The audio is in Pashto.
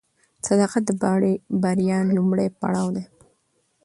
صداقت د بریا لومړی پړاو دی.